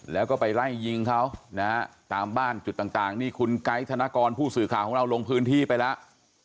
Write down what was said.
แล้วก็ไปไล่ยิงเขานะฮะตามบ้านจุดต่างนี่คุณไกด์ธนกรผู้สื่อข่าวของเราลงพื้นที่ไปแล้ว